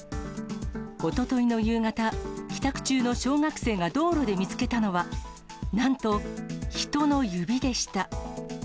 おとといの夕方、帰宅中の小学生が道路で見つけたのは、なんと人の指でした。